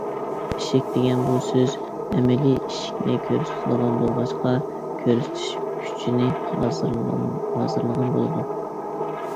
ئىشىك دېگەن بۇ سۆز ئەمەلىي ئىشىكنى كۆرسىتىدىغان بولغاچقا، كۆرسىتىش كۈچىنى ھازىرلىغان بولىدۇ.